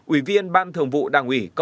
ủy viên ban thường vụ đảng ủy